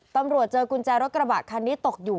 ตำรวจเจอกุญแจรถกระบาดคันนี้ตกอยู่